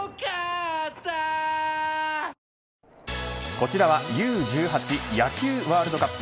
こちらはＵ‐１８野球ワールドカップ。